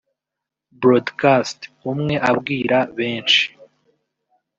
broadcast (Umwe abwira benshi)